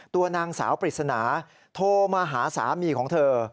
ตัวนางสาวปริศนาโทรมาหาสามีของเธอ